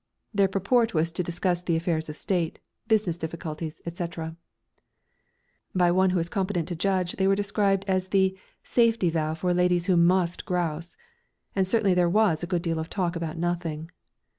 Their purport was to discuss the affairs of state, business difficulties, etc. By one who was competent to judge they were described as the "safety valve for ladies who must grouse," and certainly there was a good deal of talk about nothing.